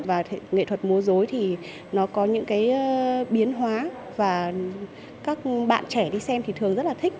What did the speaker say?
và nghệ thuật múa dối thì nó có những cái biến hóa và các bạn trẻ đi xem thì thường rất là thích